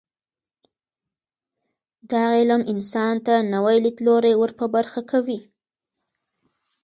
دا علم انسان ته نوي لیدلوري ور په برخه کوي.